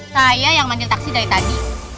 saya yang mandi taksi dari tadi